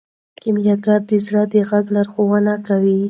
کیمیاګر د زړه د غږ لارښوونه کوي.